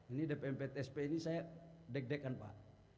ini dpmptsp ini saya deg degan pak